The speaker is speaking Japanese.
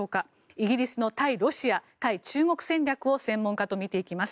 イギリスの対ロシア対中国戦略を専門家と見ていきます。